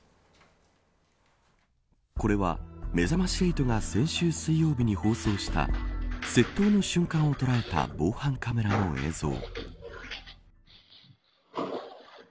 これは、めざまし８が先週水曜日に放送した窃盗の瞬間を捉えた防犯カメラの映像。